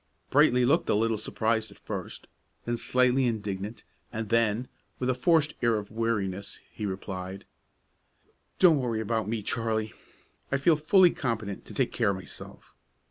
Brightly looked a little surprised at first, then slightly indignant, and then, with a forced air of weariness, he replied, "Don't worry about me, Charley. I feel fully competent to take care of myself."